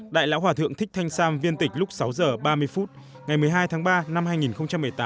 đại lão hòa thượng thích thanh sam viên tịch lúc sáu h ba mươi phút ngày một mươi hai tháng ba năm hai nghìn một mươi tám